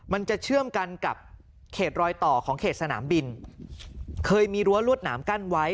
มันจะเชื่อมกันกับเขตรอยต่อของเขตสนามบินเคยมีรั้วรวดหนามกั้นไว้